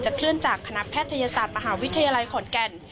เคลื่อนจากคณะแพทยศาสตร์มหาวิทยาลัยขอนแก่น